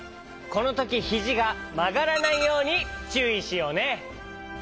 このときひじがまがらないようにちゅういしようね！